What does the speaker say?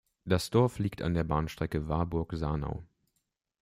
Das Dorf liegt an der Bahnstrecke Warburg–Sarnau.